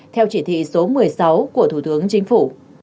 theo chỉ thị số một mươi sáu của thủ tướng chính phủ